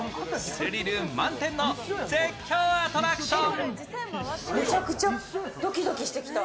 スリル満点の絶叫アトラクション。